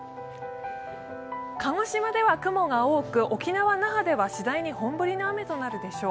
鹿児島では雲が多く、沖縄・那覇では次第に本降りの雨となるでしょう。